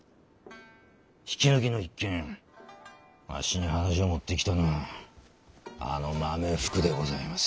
引き抜きの一件あっしに話を持ってきたのはあの豆福でございます。